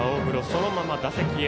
そのまま打席へ。